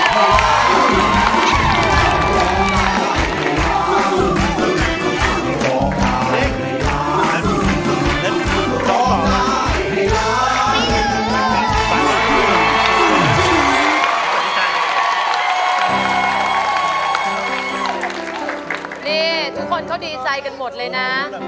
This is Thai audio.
นี่ทุกคนเขาดีใจกันหมดเลยนะ